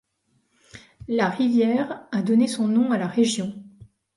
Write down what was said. La rivière a donné son nom à la région.